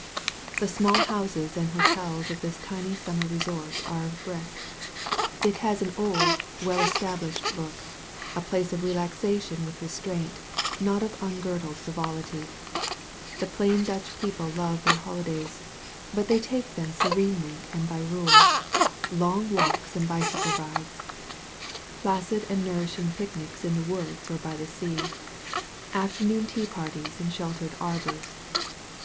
The small houses and hotels of this tiny summer resort are of brick. It has an old, well established look; a place of relaxation with restraint, not of ungirdled frivolity. The plain Dutch people love their holidays, but they take them serenely and by rule: long walks and bicycle rides, placid and 25 THE VALLEY OF VISION nourishing picnics in the woods or by the sea, after noon tea parties in sheltered arbors.